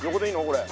これ。